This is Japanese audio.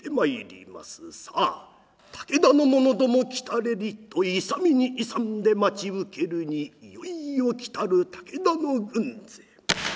「さあ武田の者ども来たれり」と勇みに勇んで待ち受けるにいよいよ来る武田の軍勢。